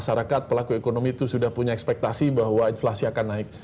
masyarakat pelaku ekonomi itu sudah punya ekspektasi bahwa inflasi akan naik